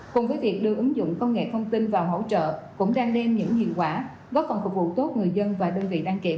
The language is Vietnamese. cùng với việc đưa ứng dụng công nghệ thông tin vào hỗ trợ cũng đang đem những hiệu quả góp phần phục vụ tốt người dân và đơn vị đăng kiểm